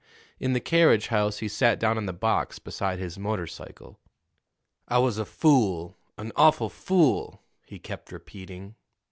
In the carriage house he sat down on the box beside his motorcycle. "I was a fool an awful fool!" he kept repeating.